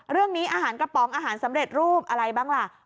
อาหารกระป๋องอาหารสำเร็จรูปอะไรบ้างล่ะ